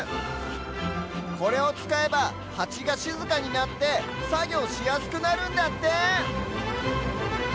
これをつかえばハチがしずかになってさぎょうしやすくなるんだって！